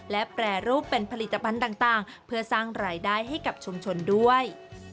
และแปรรูปเป็นผลิตภัณฑ์ต่างเพื่อสร้างรายได้ให้กับชุมชนด้วย